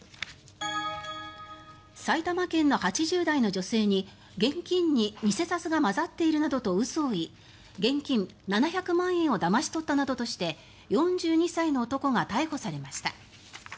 埼玉県の８０代の女性に現金に偽札が混ざっているなどと嘘を言い現金７００万円をだまし取ったとして４２歳の男が逮捕されました。